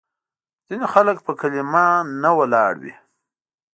ځینې خلک په کلیمه نه ولاړ وي.